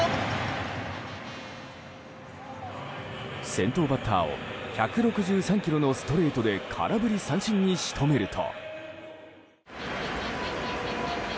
先頭バッターを１６３キロのストレートで空振り三振に仕留めると。